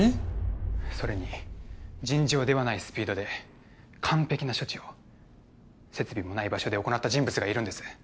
それに尋常ではないスピードで完璧な処置を設備もない場所で行った人物がいるんです